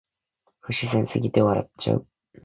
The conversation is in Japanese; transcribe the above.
不自然すぎて笑っちゃう